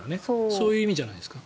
そういう意味じゃないですか。